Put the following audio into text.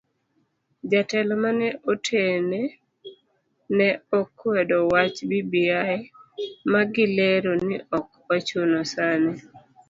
Jotelo mane otene ne okwedo wach bbi magilero ni ok ochuno sani.